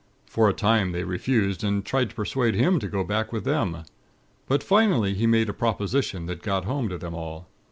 For a time they refused, and tried to persuade him to go back with them; but finally he made a proposition that got home to them all.